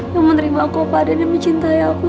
yang menerima kau pada demi cintai aku